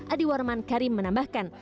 adi warman karim menambahkan